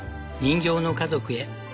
人形の家族へ。